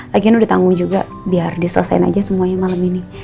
lagian udah ditanggung juga biar diselesain aja semuanya malam ini